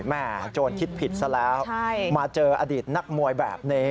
โจรคิดผิดซะแล้วมาเจออดีตนักมวยแบบนี้